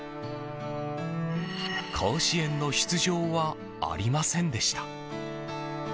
甲子園の出場はありませんでした。